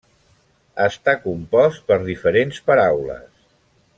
Està compost per diferents paraules.